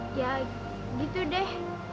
ya gitu deh